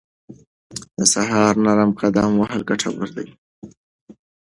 د سهار نرم قدم وهل ګټور دي.